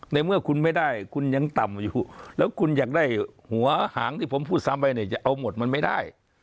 ในเมื่อคุณไม่ได้คุณยังต่ำอยู่แล้วคุณอยากได้หัวหางที่ผมพูดซ้ำไปเนี่ยจะเอาหมดมันไม่ได้